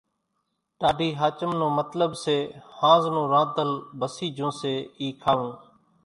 ٽاڍي ۿاچم نون مطلٻ سي ۿانز نون رانڌل ڀسي جھون سي اِي کاوون